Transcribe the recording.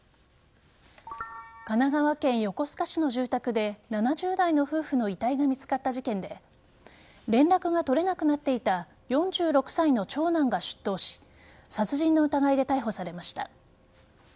神奈川県横須賀市の住宅で７０代の夫婦の遺体が見つかった事件で連絡が取れなくなっていた４６歳の長男が出頭し殺人の疑いで逮捕されました。